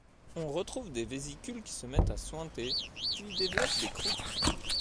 On retrouve des vésicules qui se mettent à suinter puis développent des croûtes.